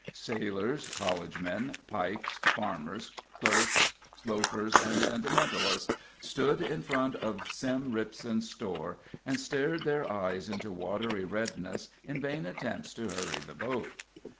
Sailors, collegemen, Pikes, farmers, clerks, loafers, and sentimentalists, stood in front of Sim Ripson's store, and stared their eyes into watery redness in vain attempts to hurry the boat.